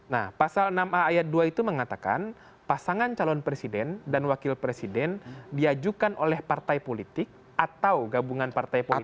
nah pasal enam a ayat dua itu mengatakan pasangan calon presiden dan wakil presiden diajukan oleh partai politik atau gabungan partai politik